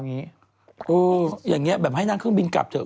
อย่างนี้แบบให้นั่งเครื่องบินกลับเถอ